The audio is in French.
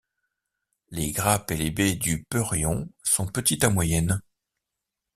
Les grappes et les baies du peurion sont petites à moyennes.